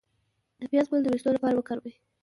د پیاز ګل د ویښتو لپاره وکاروئ